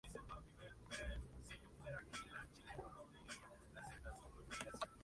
Los contaminantes pueden reducir la eficacia de estas funciones.